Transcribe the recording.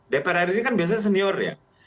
dpr ri kan biasanya senior ya